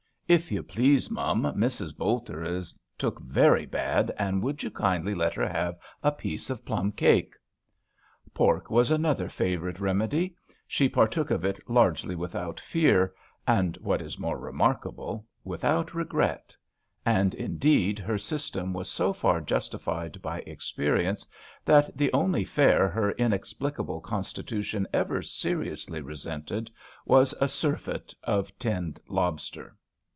"If you please, mum, Mrs. Bolter is took very bad, and would you kindly let her have a piece of plum cake.?" Pork was another favourite remedy ; she partook of it largely without fear, and, what is more remarkable, without regret ; and, indeed, her system was so far justified by experience that the only fare her inexpli cable constitution ever seriously resented was a surfeit of tinned lobster.